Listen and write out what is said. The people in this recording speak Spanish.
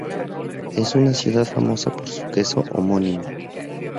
Es una ciudad famosa por su queso homónimo.